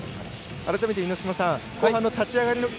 改めて峰島さん後半の立ち上がり